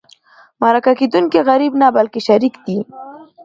مرکه کېدونکی غریب نه بلکې شریك دی.